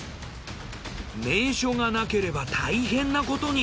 名所がなければ大変なことに。